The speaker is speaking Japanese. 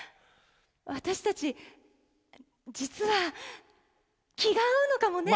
私たち実は気が合うのかもね？